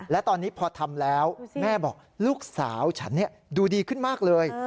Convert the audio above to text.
และตอนนี้พอทำแล้วแม่บอกลูกสาวฉันดูดีขึ้นมากเลย